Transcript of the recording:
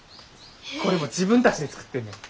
これも自分たちで作ってんねん。